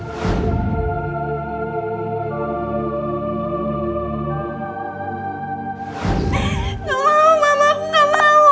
nggak mau mamaku nggak mau